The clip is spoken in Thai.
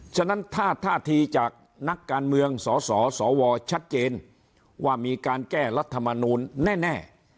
ฉะนั้นถ้าท่าทีจากนักการเมืองสสวชัดเจนว่ามีการแก้รัฐมนูลแน่